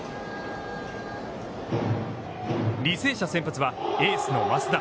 履正社先発は、エースの増田。